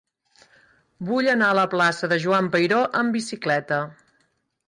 Vull anar a la plaça de Joan Peiró amb bicicleta.